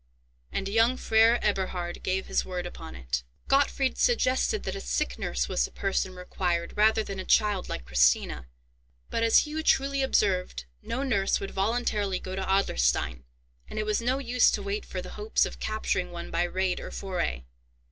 And young Freiherr Eberhard gave his word upon it." Gottfried suggested that a sick nurse was the person required rather than a child like Christina; but, as Hugh truly observed, no nurse would voluntarily go to Adlerstein, and it was no use to wait for the hopes of capturing one by raid or foray.